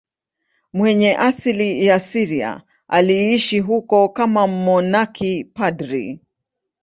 Mwenye asili ya Syria, aliishi huko kama mmonaki padri.